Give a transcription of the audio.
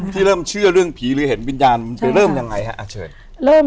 ที่เริ่มเชื่อเรื่องผีหรือเห็นวิญญาณมันไปเริ่มยังไงฮะอาเชิญ